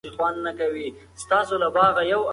که د سمارټ فون بېټرۍ پړسېدلې وي نو سمدستي یې بدل کړئ.